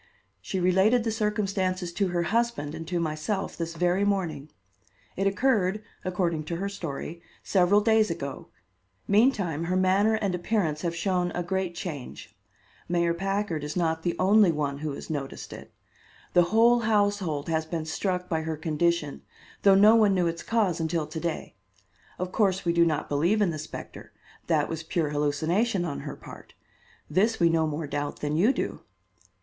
She related the circumstances to her husband and to myself this very morning. It occurred, according to her story, several days ago; meantime her manner and appearance have shown a great change. Mayor Packard is not the only one who has noticed it. The whole household has been struck by her condition, though no one knew its cause until to day. Of course, we do not believe in the specter; that was pure hallucination on her part. This we no more doubt than you do."